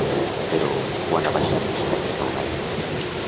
Però, quant ha baixat respecte fa un any?